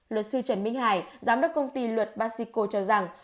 luật sư trần minh hải giám đốc công ty luật basico cho rằng